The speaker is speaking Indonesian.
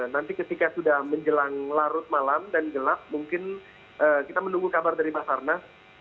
nanti ketika sudah menjelang larut malam dan gelap mungkin kita menunggu kabar dari basarnas